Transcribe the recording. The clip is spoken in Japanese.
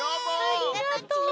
ありがとう。